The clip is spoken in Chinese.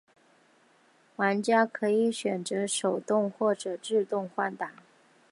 玩家可以选择手动或者自动换挡。